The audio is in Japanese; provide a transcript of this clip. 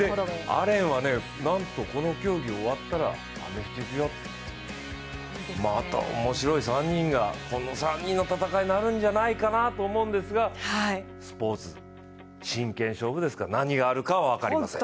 アレンはなんとこの競技終わったらアメフトいくよ、また面白い３人が、この３人の戦いになるんじゃないかと思うんですが、スポーツ、真剣勝負ですから何があるか分かりません。